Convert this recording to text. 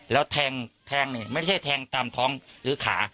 แล้วแทงเนี่ยไม่ใช่แทงตามท้องหรือขา